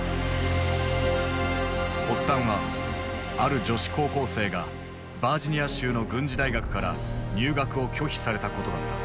発端はある女子高校生がバージニア州の軍事大学から入学を拒否されたことだった。